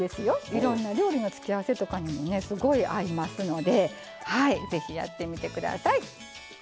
いろんな料理の付け合わせとかにすごい合いますのでぜひやってみてください。